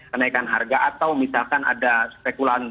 kenaikan harga atau misalkan ada spekulasi